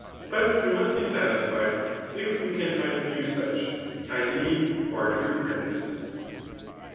But we must be satisfied if we can find a few such, [i. e. who are true friendsj.